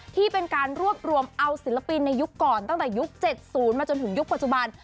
ที่เป็นการรวบรวมเอาศิลปินในยุคก่อนตั้งแต่ยุค๗๐มาจนถึงยุคปัจจุบัน